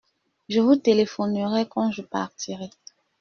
Je vous téléphonerai quand je partirai.